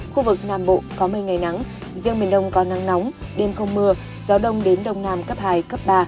khu vực nam bộ có mây ngày nắng riêng miền đông có nắng nóng đêm không mưa gió đông đến đông nam cấp hai cấp ba